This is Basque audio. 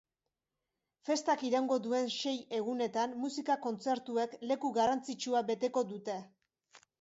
Festak iraungo duen sei egunetan, musika kontzertuek leku garrantzitsua beteko dute.